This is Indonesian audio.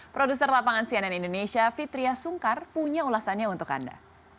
produser lapangan cnn indonesia fitriah sungkar punya ulasannya untuk anda